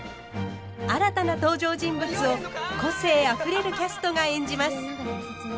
新たな登場人物を個性あふれるキャストが演じます。